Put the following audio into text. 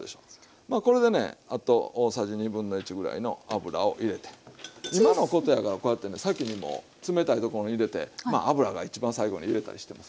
まあこれでねあと大さじ1/2ぐらいの油を入れて手間のことやからこうやってね先にもう冷たいところに入れてまあ油が一番最後に入れたりしてます。